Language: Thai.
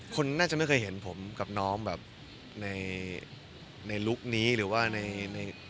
คนน่าจะไม่เคยเห็นผมกับน้องแบบในลุคนี้หรือว่าใน